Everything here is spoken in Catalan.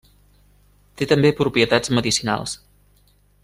Té també propietats medicinals.